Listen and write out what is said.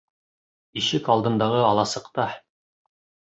Ишек алдындағы аласыҡта.